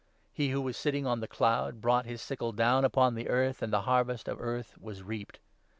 He who was sitting on the cloud brought 16 his sickle down upon the earth, and the Harvest of Earth was reaped.